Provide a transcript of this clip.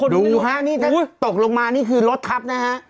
ดูฮะนี่ถ้าตกลงมานี่คือรถทับนะฮะ